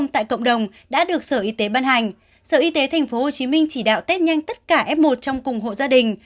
tại cộng đồng đã được sở y tế ban hành sở y tế tp hcm chỉ đạo test nhanh tất cả f một trong cùng hộ gia đình